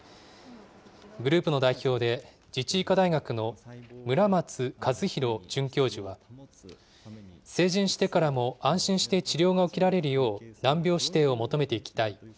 グループの代表で、自治医科大学の村松一洋准教授は、成人してからも安心して治療が受けられるよう、難病指定を求めていきたい。